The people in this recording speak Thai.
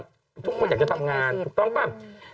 ทุกคนอยากการตามงานตรงเป้า